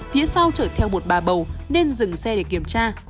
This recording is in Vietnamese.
phía sau chở theo một bà bầu nên dừng xe để kiểm tra